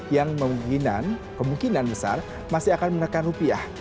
yang kemungkinan besar masih akan menekan rupiah